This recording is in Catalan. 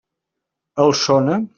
Els sona?